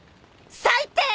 最低！